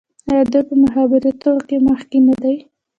آیا دوی په مخابراتو کې مخکې نه دي؟